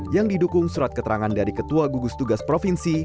yang didukung surat keterangan dari ketua gugus tugas provinsi